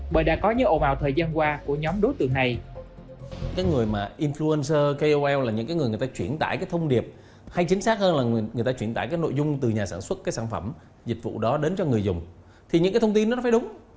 bởi đã có những ồn ào thời gian qua của nhóm đối tượng này